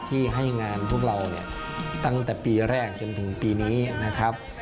ที่ให้งานพวกเราเนี่ยตั้งแต่ปีแรกจนถึงปีนี้นะครับ